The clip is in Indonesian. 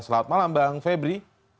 selamat malam bang febri